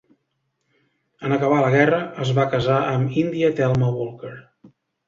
En acabar la guerra, es va casar amb India Thelma Walker.